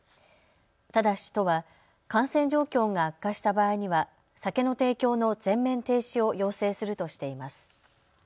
ただし、都は感染状況が悪化した場合には酒の提供の全面停止を要請するとしています。